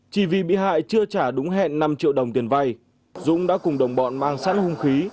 chỉ vì bị hại chưa trả đúng hẹn năm triệu đồng tiền vay dũng đã cùng đồng bọn mang sẵn hung khí